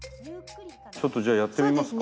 ちょっとじゃあやってみますか。